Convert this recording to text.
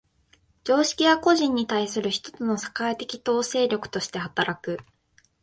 常識は個人に対する一つの社会的統制力として働く。